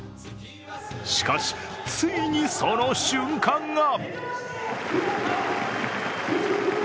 しかし、ついにその瞬間が！